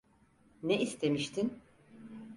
Ne istemiştin?